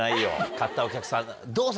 買ったお客さんどうぞ。